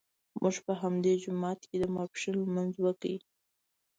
موږ په همدې جومات کې د ماسپښین لمونځ وکړ.